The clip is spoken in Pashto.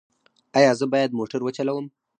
ایا زه باید موټر وچلوم؟